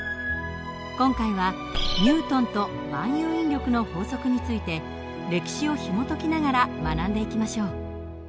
今回はニュートンと万有引力の法則について歴史をひもときながら学んでいきましょう。